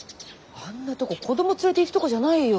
あんなとこ子供連れていくとこじゃないよ。